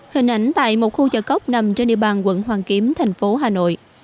hình ảnh tại một khu chợ cóc nằm trên địa bàn quận hoàn kiếm thành phố hà nội